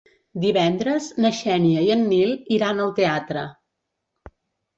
Divendres na Xènia i en Nil iran al teatre.